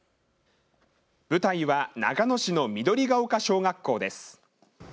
舞台は長野市の緑ヶ丘小学校です。